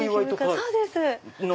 そうです。